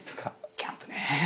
キャンプね。